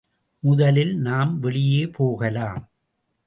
முதலில் நாம் வெளியே போகலாம்.